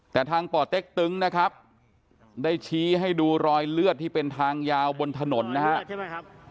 แต่ทางป่อเต็กตึงนะครับได้ชี้ให้ดูรอยเลือดที่เป็นทางยาวบนถนนนะครับ